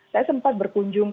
saya sempat berkundungan